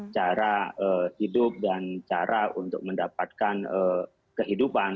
cara hidup dan cara untuk mendapatkan kehidupan